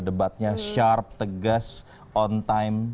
debatnya sharp tegas on time